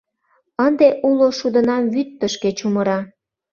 Ынде уло шудынам вӱд тышке чумыра.